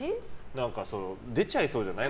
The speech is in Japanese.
何か出ちゃいそうじゃない？